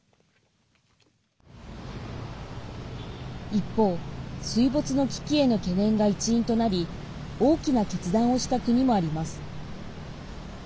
一方、水没の危機への懸念が一因となり大きな決断をした国もあります。